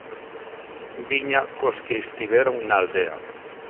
Viña cos que estiveron na aldea.